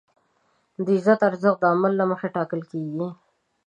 د عزت ارزښت د عمل له مخې ټاکل کېږي.